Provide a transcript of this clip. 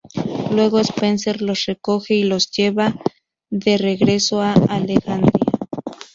Luego Spencer los recoge y los lleva de regreso a Alexandría.